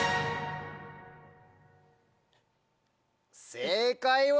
正解は？